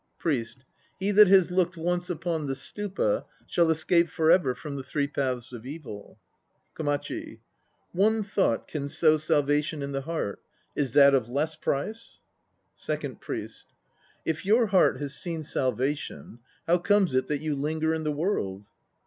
PRIEST. "He that has looked once upon the Stupa, shall escape forever from the Three Paths of Evil." * KOMACHI. "One thought can sow salvation in the heart." : Is that of less price? SECOND PRIEST. If your heart has seen salvation, how comes it that you linger in the World?